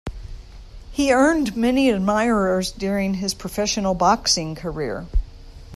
He earned many admirers during his professional boxing career.